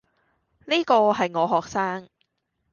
呢個係我學生